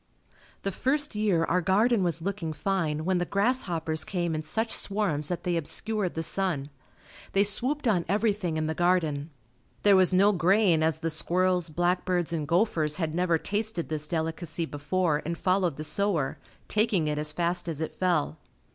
The first year our garden was looking fine when the grasshoppers came in such swarms that they obscured the sun. They swooped on everything in the garden. There was no grain as the squirrels, black birds and gophers had never tasted this delicacy before and followed the sower, taking it as fast as it fell.